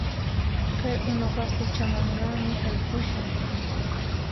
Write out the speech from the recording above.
Kay unuqa quchamanmi haykushan